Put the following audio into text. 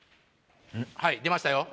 はい出ましたよ。